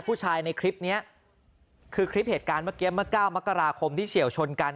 ผู้ชายในคลิปนี้คือคลิปเหตุการณ์เมื่อกี้เมื่อ๙มกราคมที่เฉียวชนกัน